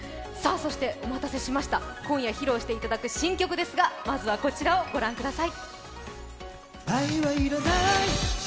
そしてお待たせしました、今夜披露していただく新曲ですがまずはこちらをご覧ください。